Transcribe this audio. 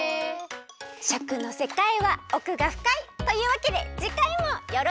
しょくのせかいはおくがふかい！というわけでじかいもよろしくった！